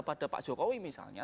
pada pak jokowi misalnya